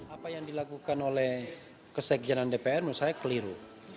apa yang dilakukan oleh kesekejangan dpr saya keliru